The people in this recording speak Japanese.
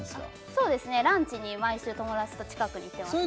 そうですねランチに毎週友達と近くに行ってます